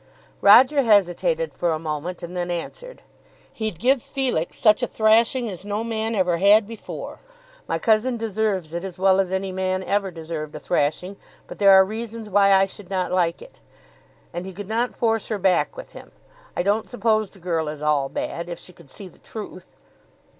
Roger hesitated for a moment, and then answered, "He'd give Felix such a thrashing as no man ever had before. My cousin deserves it as well as any man ever deserved a thrashing; but there are reasons why I should not like it. And he could not force her back with him. I don't suppose the girl is all bad, if she could see the truth."